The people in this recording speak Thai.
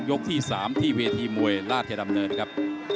ที่๓ที่เวทีมวยราชดำเนินครับ